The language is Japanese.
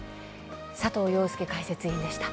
佐藤庸介解説委員でした。